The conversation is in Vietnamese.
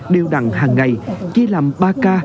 đều đặn hàng ngày chia làm ba k